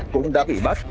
cũng đã bị bắt